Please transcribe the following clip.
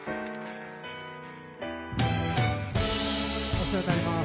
お世話になります。